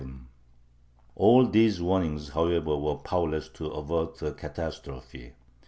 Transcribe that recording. All these warnings, however, were powerless to avert a catastrophe.